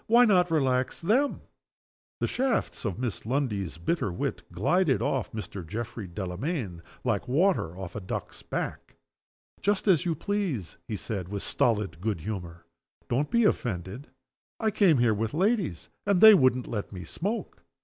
Why not relax them?" The shafts of Miss Lundie's bitter wit glided off Mr. Geoffrey Delamayn like water off a duck's back. "Just as you please," he said, with stolid good humor. "Don't be offended. I came here with ladies and they wouldn't let me smoke.